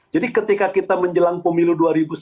jadi ketika kita menjelang pemilu dua ribu sembilan